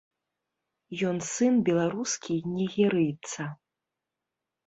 Ён сын беларускі і нігерыйца.